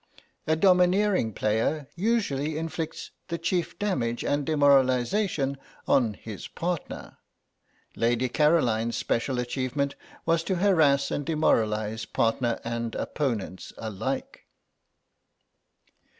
A domineering player usually inflicts the chief damage and demoralisation on his partner; Lady Caroline's special achievement was to harass and demoralise partner and opponents alike.